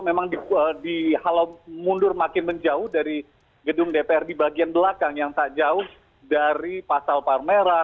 memang dihalau mundur makin menjauh dari gedung dpr di bagian belakang yang tak jauh dari pasal palmera